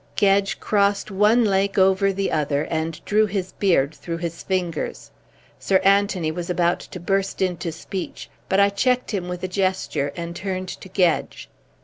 Gedge crossed one leg over the other and drew his beard through his fingers. Sir Anthony was about to burst into speech, but I checked him with a gesture and turned to Gedge.